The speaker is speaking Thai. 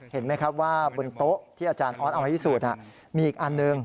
เห็นไหมครับว่าบนโต๊ะที่อาจารย์ออสเอามาพิสูจน์มีอีกอันหนึ่ง